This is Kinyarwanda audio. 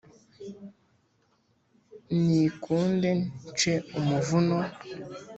nikunde nce umuvuno